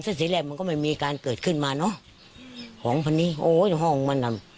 ถ้าทีแรกมันก็ไม่มีการเกิดขึ้นมาเนอะของคนนี้โอ้ยห้องมันอ่ะ